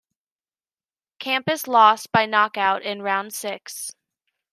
Campas lost by knockout in round six.